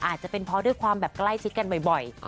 อาจจะเป็นเพราะด้วยความแบบใกล้ชิดกันบ่อย